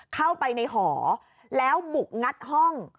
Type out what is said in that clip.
เข้าไปในหอแล้วบุกงัดห้อง